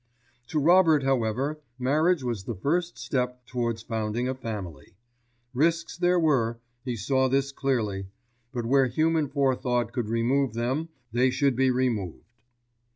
To Robert, however, marriage was the first step towards founding a family. Risks there were, he saw this clearly, but where human forethought could remove them they should be removed.